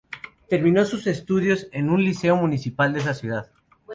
Terminó sus estudios en un liceo municipal de esa ciudad.